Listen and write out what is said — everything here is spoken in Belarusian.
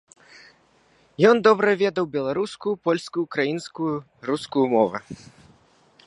Ён добра ведаў беларускую, польскую, украінскую, рускую мовы.